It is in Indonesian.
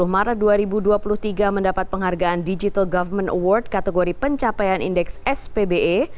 dua puluh maret dua ribu dua puluh tiga mendapat penghargaan digital government award kategori pencapaian indeks spbe